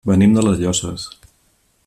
Venim de les Llosses.